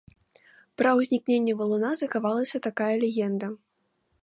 Пра ўзнікненне валуна захавалася такая легенда.